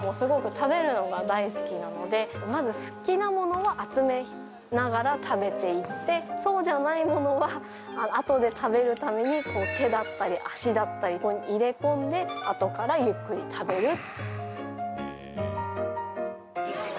まず好きなものは集めながら食べていってそうじゃないものはあとで食べるために手だったり足だったり入れ込んであとからゆっくり食べる。